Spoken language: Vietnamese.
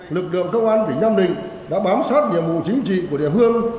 lực lượng công an tỉnh nam định đã bám sát nhiệm vụ chính trị của địa phương